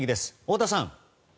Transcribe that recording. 太田さん。